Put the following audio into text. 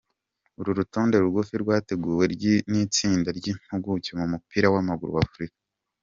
Uru rutonde rugufi rwateguwe n'itsinda ry'impuguke mu mupira w'amaguru w'Afurika.